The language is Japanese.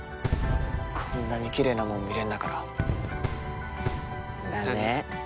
こんなにきれいなもん見れんだからだね